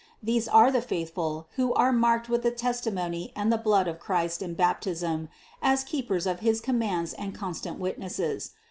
These are the faithful, who are marked with the testimony and the blood of Christ in Baptism as keepers of his commands and constant witnesses.